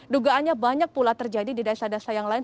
dugaannya banyak pula terjadi di desa desa yang lain